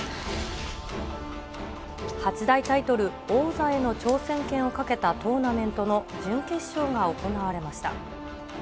８大タイトル、王座への挑戦権をかけたトーナメントの準決勝が行われました。